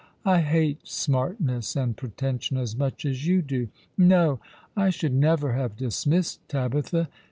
I hate smartness and pretension as much as you do. No, I should never have dismissed Tabitha.